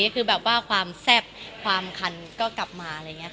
คือความแซ่บความคันก็กลับมา